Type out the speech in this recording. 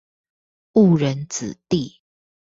誤人子弟